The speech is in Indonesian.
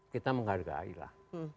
kita menghargai lah